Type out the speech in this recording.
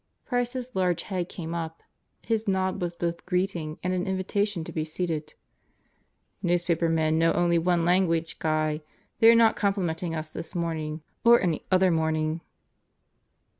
Price's large head came up; his nod was both greeting and an invitation to be seated. "Newspapermen know only one language, Guy. They are not complimenting us this morning or any other morning."